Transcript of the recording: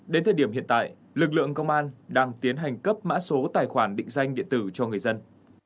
đến thời điểm hiện tại lực lượng công an đang tiến hành cấp mã số tài khoản định danh điện tử cho người dân